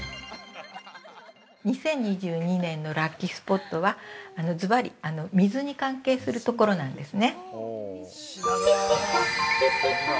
◆２０２２年のラッキースポットは、ずばり、水に関係するところなんですね。